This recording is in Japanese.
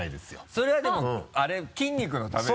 それはでも筋肉のためでしょ？